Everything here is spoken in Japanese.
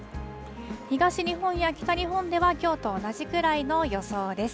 東日本や北日本ではきょうと同じくらいの予想です。